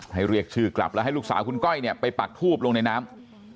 เรียกชื่อกลับแล้วให้ลูกสาวคุณก้อยเนี่ยไปปักทูบลงในน้ำ